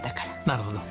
なるほど。